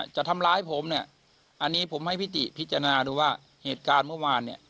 จะทำร้ายผมเนี่ยอันนี้ผมให้พิติพิจารณาดูว่าเหตุการณ์เมื่อวานเนี่ย